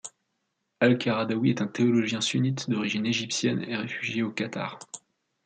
Al-Qaradawi est un théologien sunnite d’origine égyptienne et réfugié au Qatar.